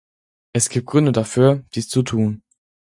Es gibt Gründe dafür, dies zu tun.